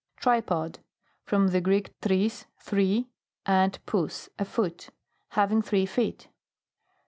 TRIPOD. From the Greek, t reis, three, and poKS, a foot. Having three feet.